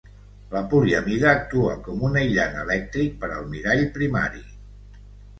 La poliamida actua com un aïllant elèctric per al mirall primari.